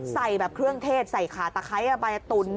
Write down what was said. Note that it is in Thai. ใส่เครื่องเทศใส่ขาตะไคร้ออกไปตุ๋น